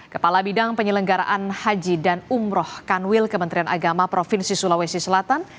kepala bidang penyelenggaraan haji dan umroh kanwil kementerian agama provinsi sulawesi selatan